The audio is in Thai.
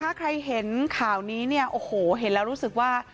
ถ้าใครเห็นข่าวนี้เนี่ยโอ้โหเห็นแล้วรู้สึกว่า